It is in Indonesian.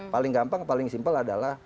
paling gampang paling simpel adalah